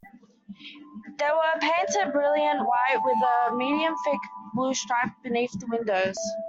They were painted brilliant white with a medium-thick blue stripe beneath the windows.